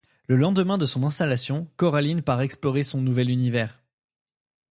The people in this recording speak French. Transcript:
Le lendemain de son installation, Coraline part explorer son nouvel univers.